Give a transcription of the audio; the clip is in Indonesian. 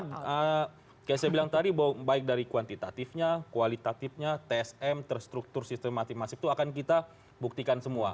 kayak saya bilang tadi baik dari kuantitatifnya kualitatifnya tes m terstruktur sistem masif itu akan kita buktikan semua